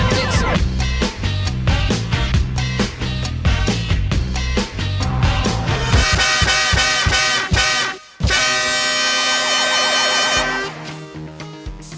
ดอลเธอเราต้องการมัน